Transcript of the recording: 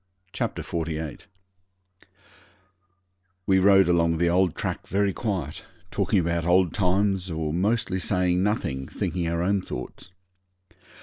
Chapter 48 We rode along the old track very quiet, talking about old times or mostly saying nothing, thinking our own thoughts.